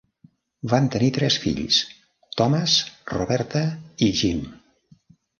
Van tenir tres fills-Thomas, Roberta i Jim.